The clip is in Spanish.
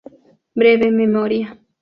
Breve memoria.